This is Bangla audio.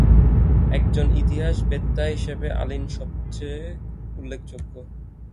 একজন ইতিহাসবেত্তা হিসেবে আলিন সবচেয়ে উল্লেখযোগ্য।